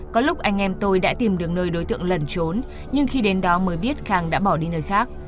có lúc anh em tôi đã tìm được nơi đối tượng lẩn trốn nhưng khi đến đó mới biết khang đã bỏ đi nơi khác